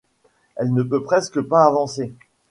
Elle ne peut presque pas avancer.